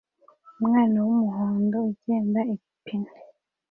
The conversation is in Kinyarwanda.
Umwana wumuhondo ugenda ipine